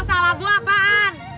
salah gua apaan